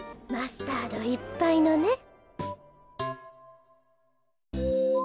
マスタードいっぱいのね。